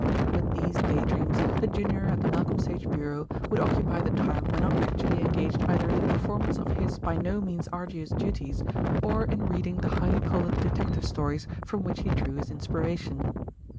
With these day dreams, the junior at the Malcolm Sage Bureau would occupy the time when not actually engaged either in the performance of his by no means arduous duties, or in reading the highly coloured detective stories from which he drew his inspiration.